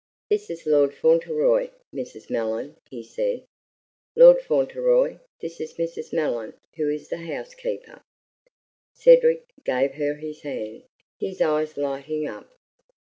"This is Lord Fauntleroy, Mrs. Mellon," he said. "Lord Fauntleroy, this is Mrs. Mellon, who is the housekeeper." Cedric gave her his hand, his eyes lighting up.